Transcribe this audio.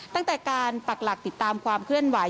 ตั้งแต่การปักหลักติดตามความเคลื่อนไหว